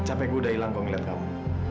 capek gue udah hilang kalau ngeliat kamu